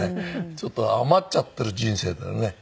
ちょっと余っちゃってる人生だよね。